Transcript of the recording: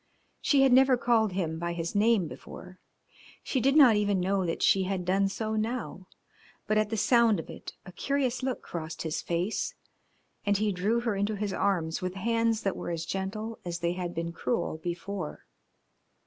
She had never called him by his name before; she did not even know that she had done so now, but at the sound of it a curious look crossed his face, and he drew her into his arms with hands that were as gentle as they had been cruel before.